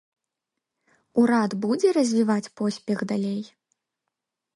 Урад будзе развіваць поспех далей?